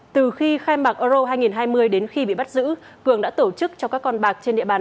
từ khi khai mạc euro hai nghìn hai mươi đến khi bị bắt giữ cường đã tổ chức cho các con bạc trên địa bàn